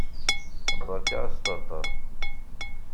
Berka asṭerṭer!